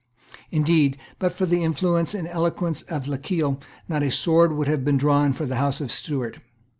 Indeed, but for the influence and eloquence of Lochiel, not a sword would have been drawn for the House of Stuart.